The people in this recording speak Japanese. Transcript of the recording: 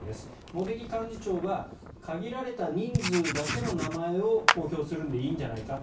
茂木幹事長は限られた人数だけの名前を公表するのでいいんじゃないか。